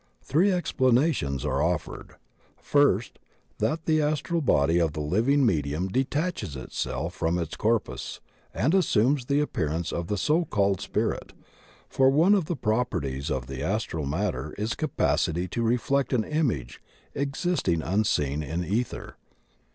Three explanations are offered: First, that the astral body of the living medium detaches itself from its corpus and assumes the appearance of the so called spirit; for one of the properties of the astral matter is capacity to reflect an image existing unseen in ether.